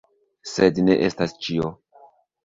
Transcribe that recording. Sed ne estas ĉio.